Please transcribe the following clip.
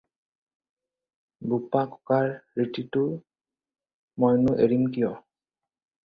“বোপা-ককাৰ ৰীতিটো মইনো এৰিম কিয়?”